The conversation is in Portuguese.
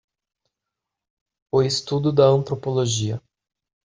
O estudo da Antropologia.